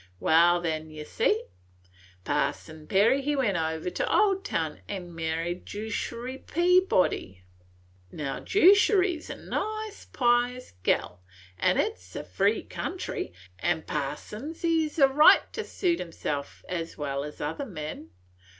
Wal, then, ye see, Parson Perry he went over to Oldtown an' married Jerushy Peabody. Now, Jerushy's a nice, pious gal, an' it 's a free country, an' parsons hes a right to suit 'emselves as well's other men.